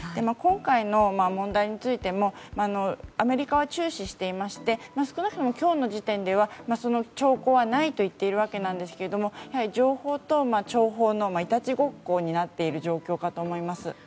今回の問題についてもアメリカは注視していまして少なくとも今日の時点ではその兆候はないと言っているわけなんですがやはり情報と諜報のいたちごっこになっている状況かと思います。